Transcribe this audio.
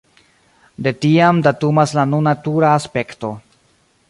De tiam datumas la nuna tura aspekto.